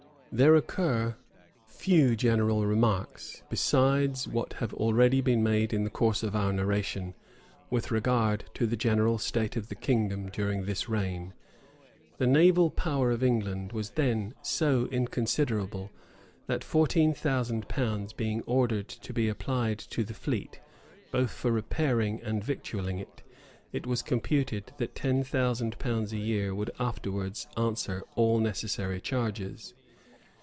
There occur few general remarks, besides what have already been made in the course of our narration, with regard to the general state of the kingdom during this reign. The naval power of England was then so inconsiderable, that fourteen thousand pounds being ordered to be applied to the fleet, both for repairing and victualling it, it was computed that ten thousand pounds a year would afterwards answer all necessary charges.